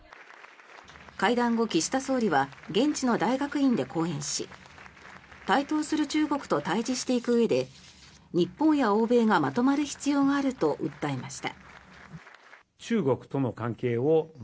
会談後、岸田総理は現地の大学院で講演し台頭する中国と対峙していくうえで日本や欧米がまとまる必要があると訴えました。